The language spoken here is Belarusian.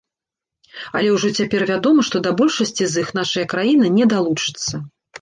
Але ўжо цяпер вядома, што да большасці з іх нашая краіна не далучыцца.